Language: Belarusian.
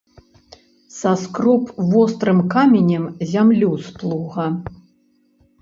Саскроб вострым каменем зямлю з плуга.